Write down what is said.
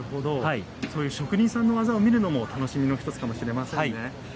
職人さんの技を見るのも楽しみの１つかもしれませんね。